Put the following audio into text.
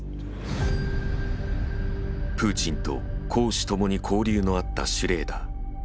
プーチンと公私ともに交流のあったシュレーダー。